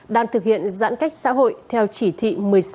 đang thực hiện giãn cách xã hội theo chỉ thị một mươi sáu